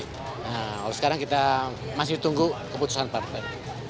nah kalau sekarang kita masih tunggu keputusan partai